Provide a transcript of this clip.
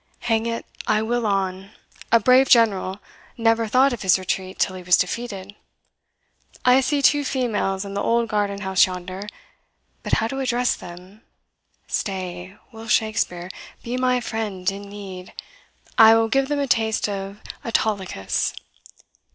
Hang it, I will on a brave general never thought of his retreat till he was defeated. I see two females in the old garden house yonder but how to address them? Stay Will Shakespeare, be my friend in need. I will give them a taste of Autolycus."